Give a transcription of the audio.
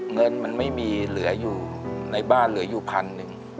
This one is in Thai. เงินมันไม่มีเหลืออยู่ในบ้านเหลืออยู่พันหนึ่ง